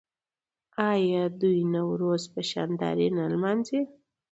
آیا دوی نوروز په شاندارۍ نه لمانځي؟